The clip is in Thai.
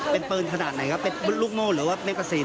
เป็นปืนขนาดไหนครับเป็นลูกโม่หรือว่าเมกาซีน